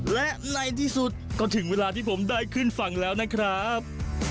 และในที่สุดก็ถึงเวลาที่ผมได้ขึ้นฝั่งแล้วนะครับ